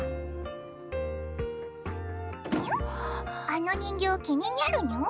あの人形気ににゃるの？